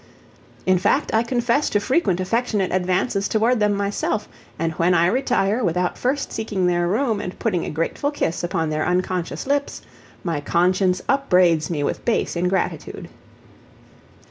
In fact, I confess to frequent affectionate advances toward them myself, and when I retire without first seeking their room and putting a grateful kiss upon their unconscious lips, my conscience upbraids me with base ingratitude.